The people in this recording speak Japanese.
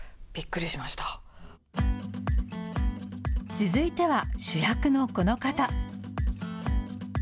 続いては主役のこの方。